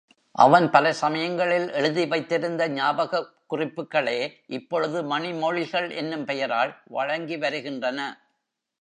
அவன் பல சமயங்களில் எழுதி வைத்திருத்த ஞாபகக் குறிப்புக்களே இப்பொழுது மணிமொழிகள் என்னும் பெயரால் வழங்கி வருகின்றன.